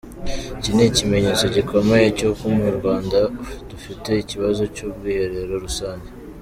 Iki ni ikimenyetso gikomeye cy’uko mu Rwanda dufite ikibazo cy’ubwiherero rusange